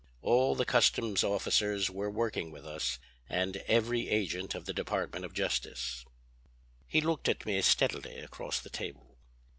All the customs officers were, working with us, and every agent of the Department of Justice." He looked at me steadily across the table.